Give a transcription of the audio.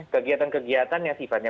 kegiatan kegiatan yang sifatnya